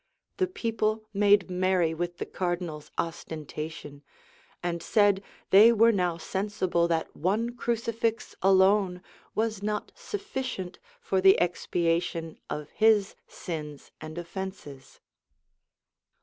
[] The people made merry with the cardinal's ostentation; and said, they were now sensible that one crucifix alone was not sufficient for the expiation of his sins and offences.